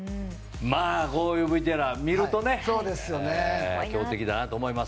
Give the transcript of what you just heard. こういうＶＴＲを見るとね強敵だなと思います。